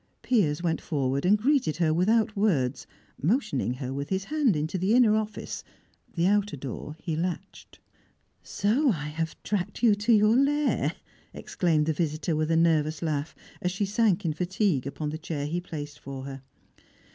Piers went forward, and greeted her without words, motioning her with his hand into the inner office; the outer door he latched. "So I have tracked you to your lair!" exclaimed the visitor, with a nervous laugh, as she sank in fatigue upon the chair he placed for her.